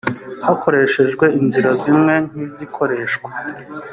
hakoreshejwe inzira zimwe nk izikoreshwa